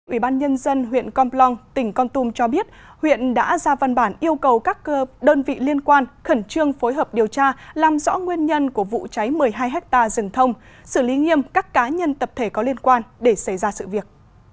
ủy ban nhân dân huyện con plong tỉnh con tum cho biết huyện đã ra văn bản yêu cầu các đơn vị liên quan khẩn trương phối hợp điều tra làm rõ nguyên nhân của vụ cháy một mươi hai hectare rừng thông xử lý nghiêm các cá nhân tập thể có liên quan để xảy ra sự việc